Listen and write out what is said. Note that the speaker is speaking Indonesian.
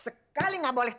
saya mau dan they eh abaq